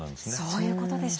そういうことでした。